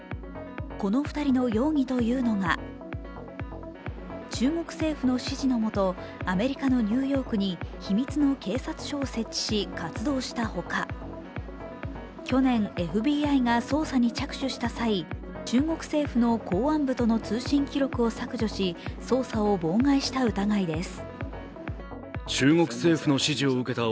この２人の容疑というのが、中国政府の指示のもとアメリカのニューヨークに秘密の警察署を設置し活動したほか去年、ＦＢＩが捜査に着手した際中国政府の公安部との通信記録を削除し捜査を妨害した疑いです。